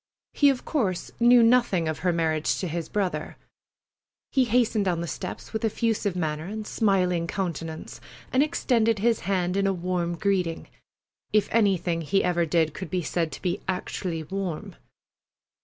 He of course knew nothing of her marriage with his brother. He hastened down the steps with effusive manner and smiling countenance, and extended his hand in a warm greeting—if anything he ever did could be said to be actually warm.